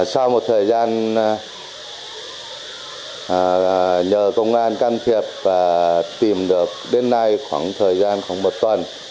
sau một thời gian nhờ công an can thiệp và tìm được đến nay khoảng thời gian khoảng một tuần